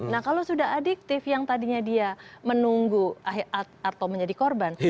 nah kalau sudah adiktif yang tadinya dia menunggu atau menjadi korban